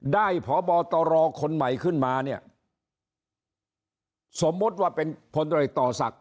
ได้พตรคนใหม่ขึ้นมาสมมติว่าเป็นพตรสัก